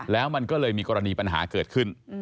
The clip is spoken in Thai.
แล้วมันก็เลยมีกรณีปัญหาเกิดขึ้น